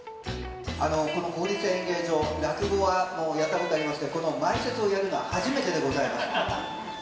この国立演芸場、落語はもうやったことありますけれども、この前説をやるのは初めてでございます。